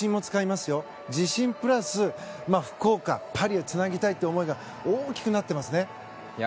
自信プラス、福岡、パリへつなぎたいという思いが大きくなってますね。